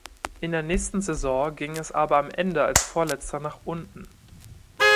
In der nächsten Saison ging es aber am Ende als Vorletzter nach unten.